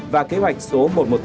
và kế hoạch số một trăm một mươi tám